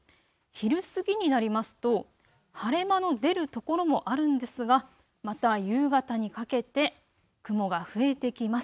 昼過ぎになりますと晴れ間の出る所もあるんですが、また夕方にかけて雲が増えてきます。